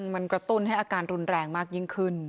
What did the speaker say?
มันกระตุ้นให้อาการรุนแรงมากยิ่งขึ้น